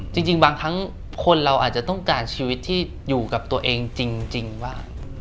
จริงบางครั้งคนเราอาจจะต้องการชีวิตที่อยู่กับตัวเองจริงว่า